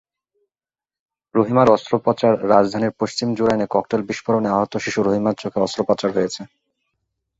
রহিমার অস্ত্রোপচাররাজধানীর পশ্চিম জুরাইনে cocktail বিস্ফোরণে আহত শিশু রহিমার চোখে অস্ত্রোপচার হয়েছে।